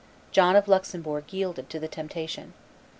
John of Luxembourg yielded to the temptation.